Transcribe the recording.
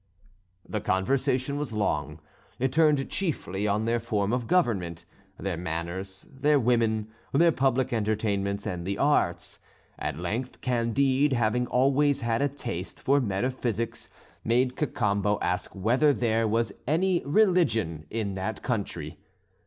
The conversation was long: it turned chiefly on their form of government, their manners, their women, their public entertainments, and the arts. At length Candide, having always had a taste for metaphysics, made Cacambo ask whether there was any religion in that country.